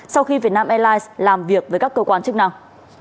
sau khi việt nam airlines làm việc với các cơ quan chức năng